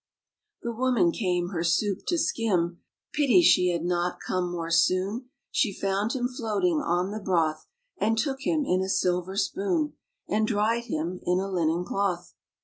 The woman came her soup to skim — Pity she had not come more soon !— She found him floating on the broth. And took him in a silver spoon. And dried him in a linen cloth.